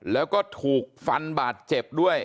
แล้วก็ถูกฟันบาดเจ็บด้วย